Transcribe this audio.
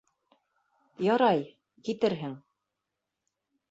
Ярай, китерһең.